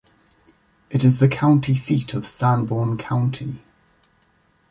It is the county seat of Sanborn County.